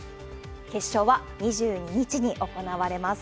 決勝は２２日に行われます。